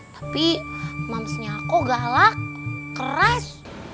tapi momsnya aku galak keras